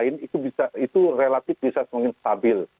itu bisa itu relatif bisa semakin stabil